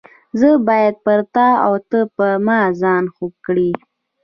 زه باید پر تا او ته پر ما ځان خوږ کړې.